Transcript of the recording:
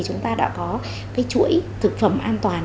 chúng ta đã có chuỗi thực phẩm an toàn